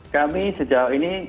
kami sejauh ini